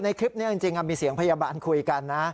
ในคลิปนี้จริงมีเสียงพยาบาลคุยกันนะ